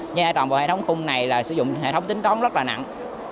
nhưng tổng bộ hệ thống khung này là sử dụng hệ thống tính tón rất là nặng